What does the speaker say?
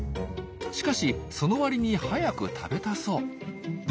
しかしそのわりに早く食べたそう。